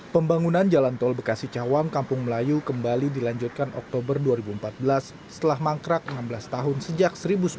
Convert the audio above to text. pembangunan jalan tol bekasi cawang kampung melayu kembali dilanjutkan oktober dua ribu empat belas setelah mangkrak enam belas tahun sejak seribu sembilan ratus sembilan puluh